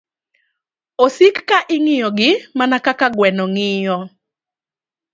Osik ka ing'iyogi mana kaka gweno ng'iyo